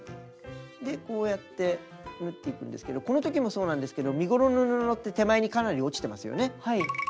こうやって縫っていくんですけどこのときもそうなんですけど身ごろの布って手前にかなり落ちてますよね。